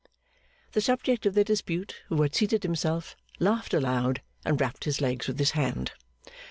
The subject of their dispute, who had seated himself, laughed aloud, and rapped his legs with his hand.